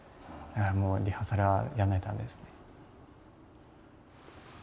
もうリハーサルはやらないと駄目ですね。